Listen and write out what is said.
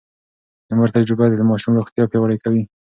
د مور تجربه د ماشوم روغتيا پياوړې کوي.